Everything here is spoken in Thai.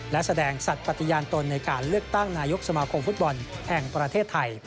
และแสดงสัตว์ปฏิญาณตนในการเลือกตั้งนายกสมาคมฟุตบอลแห่งประเทศไทย